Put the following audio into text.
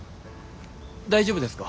大丈夫ですか？